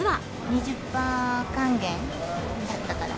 ２０パー還元だったから。